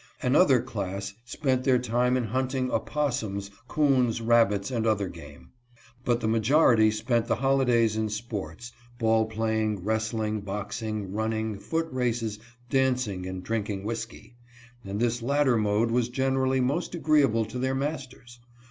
Another class spent their time in hunting opossums, coons, rabbits, and other game. But the majority spent the holidays in sports, ball piaying, wrestling, boxing, running, foot races, danc ing, and drinking whisky; and this latter mode was generally most agreeable to their masters.